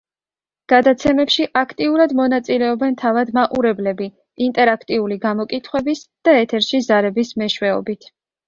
გადაცემებში აქტიურად მონაწილეობენ თავად მაყურებლები, ინტერაქტიული გამოკითხვების და ეთერში ზარების მეშვეობით.